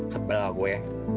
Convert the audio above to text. sebel aku ya